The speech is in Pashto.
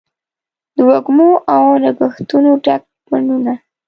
د وږمو او نګهتونو ډک بڼوڼه